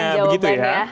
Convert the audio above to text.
tolong berikan jawaban ya